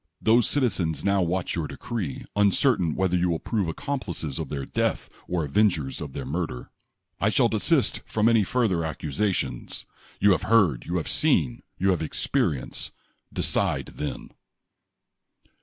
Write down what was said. Those citizens now watch your decree, uncertain whether you will prove accomplices of their death or avengers of their murder. I shall desist from any further accusations. You have heard, you have seen, you have experienced. Decide then